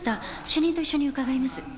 主任と一緒に伺います。